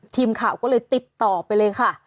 ทีมข่าวก็เลยติดต่อไปเลยค่ะ